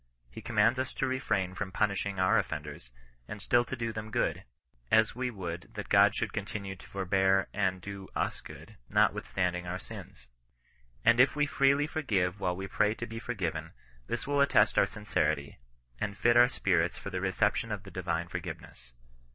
He commands us to refrain from punishing our offenders, and still to do them good, as we would that God should continue to forbear with and do us good, notwithstanding our sins. And if we freely forgive while we pray to be forgiven, this will attest our sincerity, and fit our spirits for the reception of the divine forgiveness.